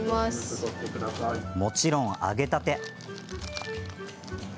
もちろん、揚げたて。